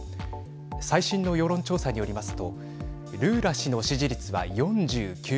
最新の世論調査によりますとルーラ氏の支持率は４９％。